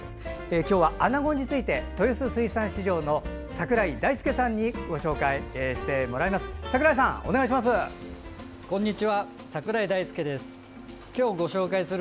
今日はアナゴについて豊洲水産市場の櫻井大介さんにご紹介してもらいます。